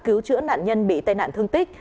cứu chữa nạn nhân bị tai nạn thương tích